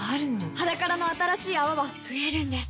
「ｈａｄａｋａｒａ」の新しい泡は増えるんです